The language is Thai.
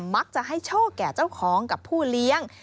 มักจะให้โชคแก่เจ้าของกับผู้เลี้ยง